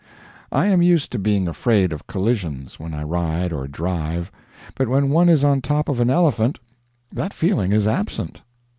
I am used to being afraid of collisions when I ride or drive, but when one is on top of an elephant that feeling is absent.